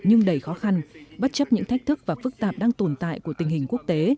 nhưng đầy khó khăn bất chấp những thách thức và phức tạp đang tồn tại của tình hình quốc tế